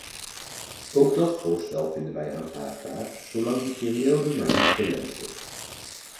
Ook dat voorstel vinden wij aanvaardbaar zolang die periode maar niet verlengd wordt.